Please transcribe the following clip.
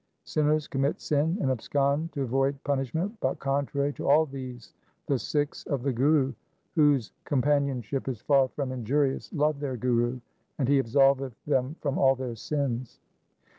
Sinners commit sin and abscond to avoid punishment, but, contrary to all these, the Sikhs of the Guru, whose companionship is far from injurious, love their Guru, and he absolveth them from all their sins.